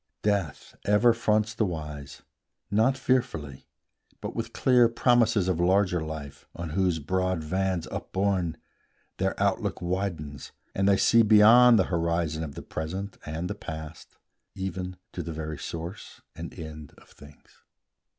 Death ever fronts the wise; Not fearfully, but with clear promises Of larger life, on whose broad vans upborne, Their out look widens, and they see beyond The horizon of the Present and the Past, Even to the very source and end of things.